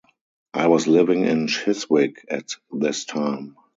I was living in Chiswick at this time.